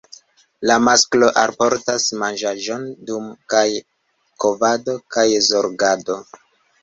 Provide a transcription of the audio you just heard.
La masklo alportas manĝaĵon dum kaj kovado kaj zorgado.